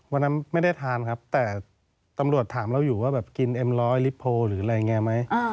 วันนั้นไม่ได้ทานครับแต่ตำรวจถามเราอยู่ว่าแบบกินเอ็มร้อยลิโพลหรืออะไรอย่างนี้ไหม